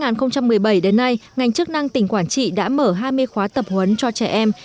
từ năm hai nghìn một mươi bảy đến nay ngành chức năng tỉnh quảng trị đã mở hai mươi khóa tập huấn cho trẻ em